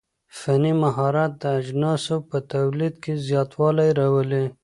فني مهارت د اجناسو په توليد کي زياتوالی راولي.